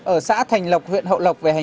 ở xã thành lộc huyện hậu lộc